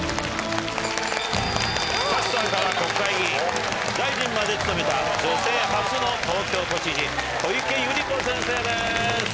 キャスターから国会議員大臣まで務めた女性初の東京都知事小池百合子先生です。